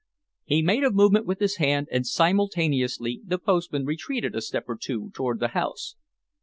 He made a movement with his hand, and simultaneously the postman retreated a step or two toward the house.